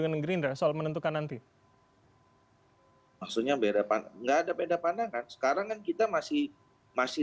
mengerindah soal menentukan nanti maksudnya beda beda pandangan sekarang kita masih masih